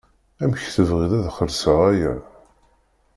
Amek tebɣiḍ ad xellṣeɣ aya?